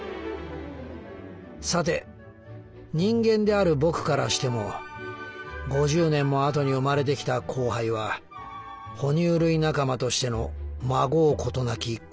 「さて人間である僕からしても５０年もあとに生まれてきたコウハイは哺乳類仲間としてのまごうことなき後輩である。